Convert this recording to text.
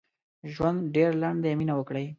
ژوند ډېر لنډ دي مينه وکړئ